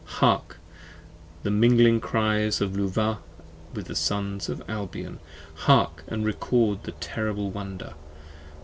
Hark! the mingling cries of Luvah with the Sons of Albion. Hark! & Record the terrible wonder!